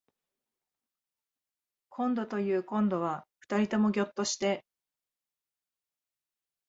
こんどというこんどは二人ともぎょっとして